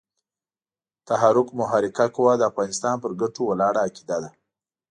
تحرک محرکه قوه د افغانستان پر ګټو ولاړه عقیده ده.